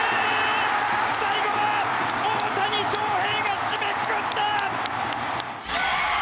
最後は大谷翔平が締めくくった！